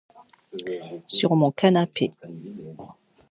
Sur mon canapé